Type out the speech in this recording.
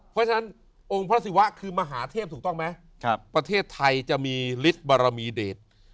เพราะฉะนั้นองค์พระศิวะคือมหาเทพถูกต้องไหมประเทศไทยจะมีฤทธิ์บารมีเดช